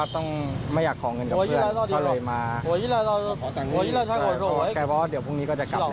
ที่ไทยหรืออย่างไร